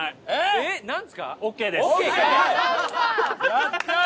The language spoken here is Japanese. やったー！